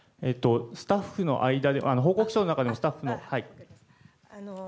スタッフの間で、報告書の中でスタッフの。